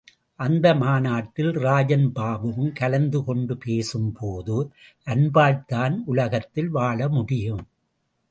அந்த மாநாட்டில் ராஜன் பாபுவும் கலந்து கொண்டு பேசும் போது, அன்பால்தான் உலகத்தில் வாழ முடியும்.